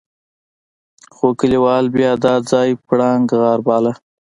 خو کليوالو بيا دا ځای پړانګ غار باله.